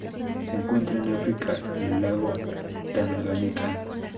Se encuentran en África, en el lago Tanganika.